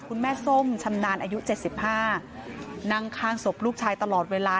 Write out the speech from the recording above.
คุณแม่ส้มชำนาญอายุเจ็ดสิบห้านั่งค้างศพลูกชายตลอดเวลา